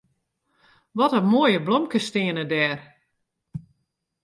Wat in moaie blomkes steane dêr.